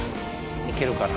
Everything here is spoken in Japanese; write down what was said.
行けるかな？